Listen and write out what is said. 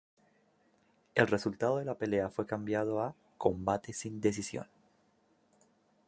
El resultado de la pelea fue cambiado a "combate sin decisión".